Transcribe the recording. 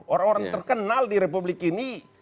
orang orang terkenal di republik ini